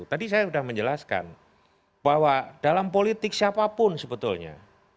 tadi saya sudah menjelaskan bahwa dalam politik siapapun sebetulnya